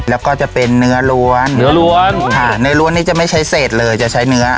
แล้วก็จะเป็นเนื้อล้วนเนื้อล้วนค่ะในล้วนนี้จะไม่ใช้เศษเลยจะใช้เนื้อ